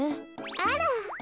あら。